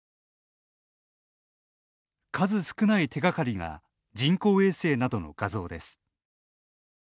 数少ない手がかりが人工衛星などの画像です。